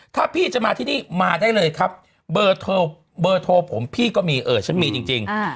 ถ้าพี่จะมาที่นี่มาได้เลยครับเบอร์โทรผมพี่ก็มีเออฉันมีจริง